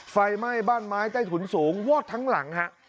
ไฟไหม้บ้านไม้ใต้ถุนสูงวอดทั้งหลังฮะ